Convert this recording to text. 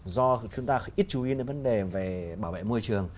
do chúng ta ít chú ý đến vấn đề về bảo vệ môi trường